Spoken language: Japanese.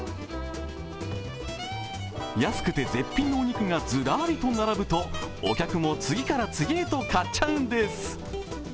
安くて絶品お肉がずらりと並ぶとお客も次から次へと買っちゃうんです。